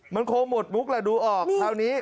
มันคงหมดมุกแหละดูออกคราวนี้